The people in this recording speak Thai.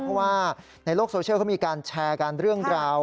เพราะว่าในโลกโซเชียลเขามีการแชร์กันเรื่องราว